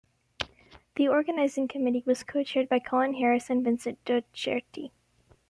The organising committee was co-chaired by Colin Harris and Vincent Docherty.